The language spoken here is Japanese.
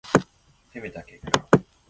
攻めた結果